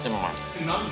・「えっ何で？」